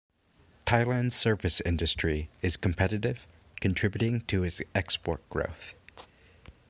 Thailand's service industry is competitive, contributing to its export growth.